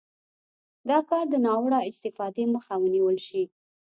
دا کار د ناوړه استفادې مخه ونیول شي.